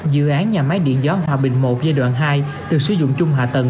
dự án nhà máy điện gió hòa bình một giai đoạn hai được sử dụng chung hạ tầng